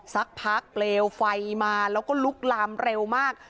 สักพักเปลวไฟมาแล้วก็ลุกลามเร็วมาก